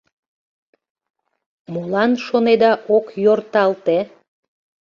Молан, шонеда, ок йорталте? -